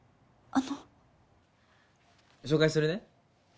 あの紹介するね